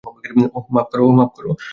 ওহ, মাফ করো।